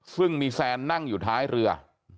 ซึ่งมีแซนนั่งอยู่ท้ายเรือ